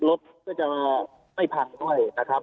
รถก็จะไม่พังด้วยนะครับ